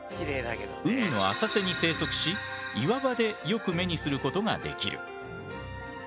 海の浅瀬に生息し岩場でよく目にすることができる。